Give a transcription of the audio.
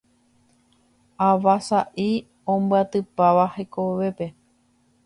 Ava sa'i ombyatýtava hekovépe.